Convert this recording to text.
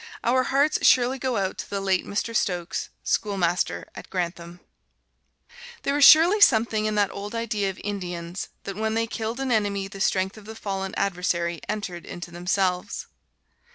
Our hearts surely go out to the late Mr. Stokes, schoolmaster at Grantham. There is surely something in that old idea of Indians that when they killed an enemy the strength of the fallen adversary entered into themselves.